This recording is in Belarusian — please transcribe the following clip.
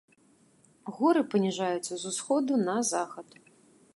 Горы паніжаюцца з усходу на захад.